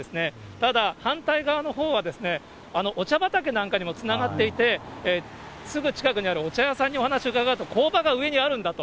ただ、反対側のほうはですね、お茶畑なんかにもつながっていて、すぐ近くにあるお茶屋さんにお話伺ったら、工場が上にあるんだと。